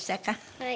はい。